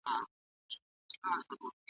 په خونه را شریک به مو پیریان او بلا نه وي .